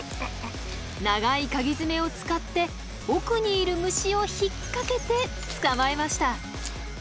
長いかぎ爪を使って奥にいる虫を引っ掛けて捕まえました。